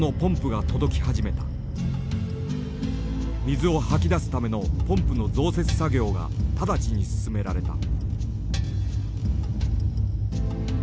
水を吐き出すためのポンプの増設作業が直ちに進められた。